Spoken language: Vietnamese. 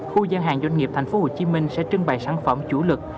khu gian hàng doanh nghiệp tp hcm sẽ trưng bày sản phẩm chủ lực